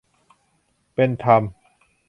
เป็นธรรม